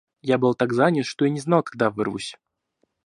Я был так занят, что и не знал, когда вырвусь.